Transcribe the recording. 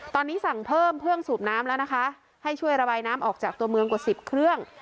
ตอนนี้สั่งเพิ่มเครื่องสูบน้ำแล้วนะคะให้ช่วยระบายน้ำออกจากตัวเมืองกว่าสิบเครื่อง